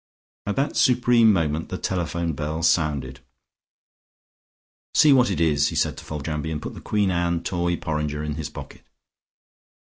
At that supreme moment the telephone bell sounded. "See what it is," he said to Foljambe, and put the Queen Anne toy porringer in his pocket.